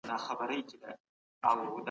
موږ له خپل چاپېريال سره اړيکي لرو.